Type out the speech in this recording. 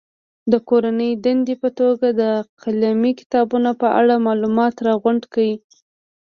د کورنۍ دندې په توګه د قلمي کتابونو په اړه معلومات راغونډ کړي.